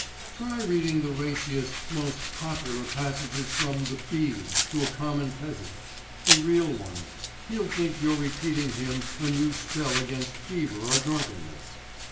Try reading the raciest, most "popular" passages from the "Bees" to a common peasant a real one; he'll think you're repeating him a new spell against fever or drunkenness.